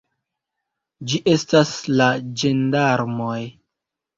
Ĝi estas la ĝendarmoj!